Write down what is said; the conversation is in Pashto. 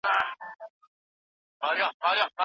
خپل ورېښتان په مناسب وخت کي په ترتیب سره ږمنځ کوئ.